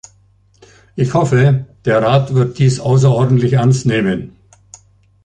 Ich hoffe, der Rat wird dies außerordentlich ernst nehmen.